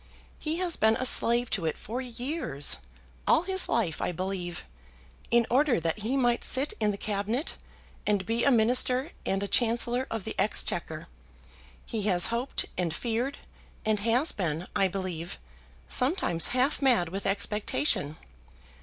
He has been a slave to it for years, all his life I believe, in order that he might sit in the Cabinet, and be a minister and a Chancellor of the Exchequer. He has hoped and feared, and has been, I believe, sometimes half mad with expectation.